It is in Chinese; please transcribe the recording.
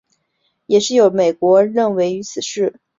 也有人认为美国与此事也有关连。